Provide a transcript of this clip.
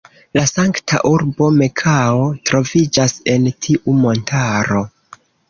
La sankta urbo Mekao troviĝas en tiu montaro.